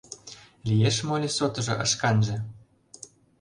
Лиеш моли сотыжо ышканже?